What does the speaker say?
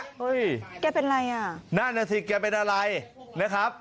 เฮ้ยแกเป็นไรอ่ะหน้าหน้าที่แกเป็นอะไรนะครับ